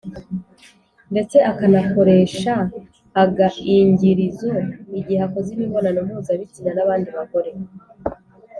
ndetse akanakoresha aga ingirizo igihe akoze imibonano mpuzabitsina n’abandi bagore.